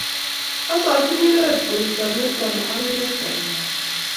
asochini inende koruto ne tala agoi kaitang'wang